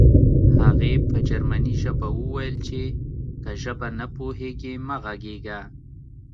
هغې په جرمني ژبه وویل چې که ژبه نه پوهېږې مه غږېږه